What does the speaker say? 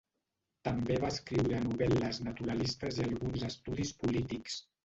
També va escriure novel·les naturalistes i alguns estudis polítics.